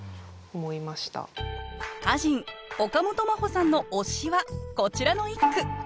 歌人岡本真帆さんの推しはこちらの一句。